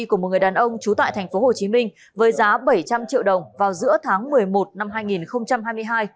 của một người đàn ông trú tại tp hcm với giá bảy trăm linh triệu đồng vào giữa tháng một mươi một năm hai nghìn hai mươi hai